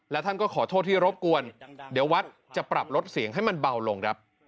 และท่านก็ขอโทษที่รบกวนเดี๋ยววัดจะปรับลดเสียงให้มันเบาลงครับ